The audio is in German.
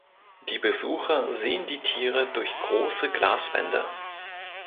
Die Besucher sehen die Tiere durch große Glaswände.